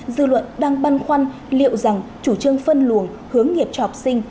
dư luận đang băn khoăn liệu rằng chủ trương phân luồng hướng nghiệp cho học sinh